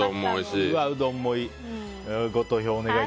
うどんもいい。